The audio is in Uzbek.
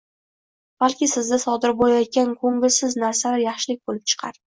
Balki sizda sodir bo‘layotgan ko'ngilsiz narsalar yaxshilik bo‘lib chiqar.